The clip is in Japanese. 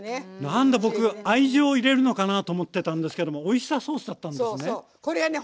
なんだ僕愛情を入れるのかなと思ってたんですけどもオイスターソースだったんですね。